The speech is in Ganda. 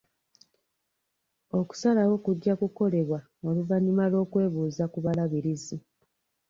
Okusalawo kujja kukolebwa oluvannyuma lw'okwebuuza ku balabirizi.